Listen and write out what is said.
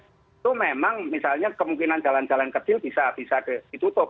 itu memang misalnya kemungkinan jalan jalan kecil bisa ditutup